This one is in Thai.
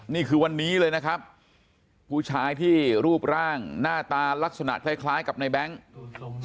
นี่คือวันนี้เลยนะครับผู้ชายที่รูปร่างหน้าตาลักษณะคล้ายคล้ายกับในแบงค์